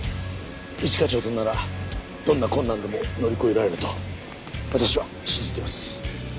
一課長とならどんな困難でも乗り越えられると私は信じています。